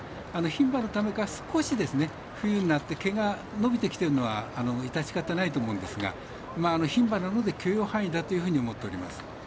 牝馬のためか、少し冬になって毛が伸びてきているのは致し方ないと思うんですが牝馬なので許容範囲だと思っております。